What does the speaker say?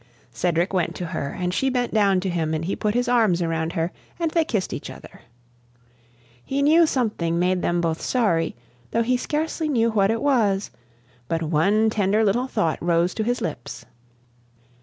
Cedric went to her, and she bent down to him, and he put his arms around her, and they kissed each other. He knew something made them both sorry, though he scarcely knew what it was; but one tender little thought rose to his lips.